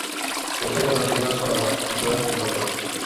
Consejo Nacional para la Cultura y las Artes.